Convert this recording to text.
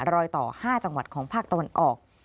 รอยต่อ๕จังหวัดของภาคตะวันออก